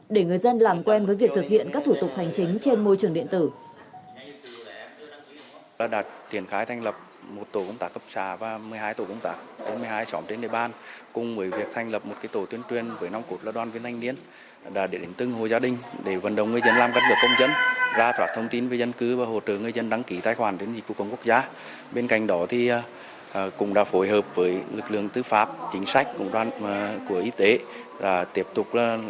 để người dân làm quen với việc thực hiện các thủ tục hành chính trên môi trường điện tử